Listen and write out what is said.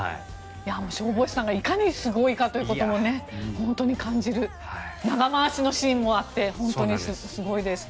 消防士さんがいかにすごいかを本当に感じる長回しのシーンもあってすごいです。